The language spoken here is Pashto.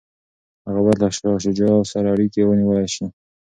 هغه باید له شاه شجاع سره اړیکي ونیولي وای.